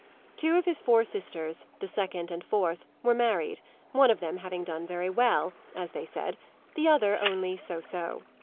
Two of his four sisters, the second and fourth, were married, one of them having done very well, as they said, the other only so so.